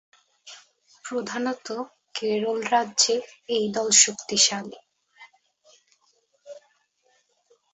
প্রধানত কেরল রাজ্যে এই দল শক্তিশালী।